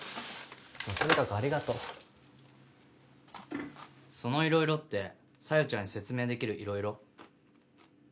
とにかくありがとうその色々って小夜ちゃんに説明できる色々？